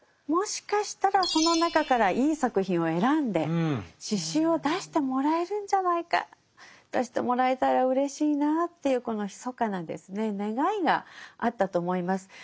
もしかしたらその中からいい作品を選んで詩集を出してもらえるんじゃないか出してもらえたらうれしいなぁっていうこのひそかなですね願いがあったと思います。